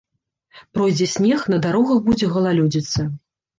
Пройдзе снег, на дарогах будзе галалёдзіца.